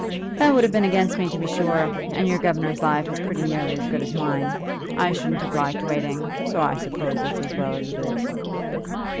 "That would have been against me to be sure, and your governor's life is pretty nearly as good as mine. I shouldn't have liked waiting; so I suppose it's as well as it is."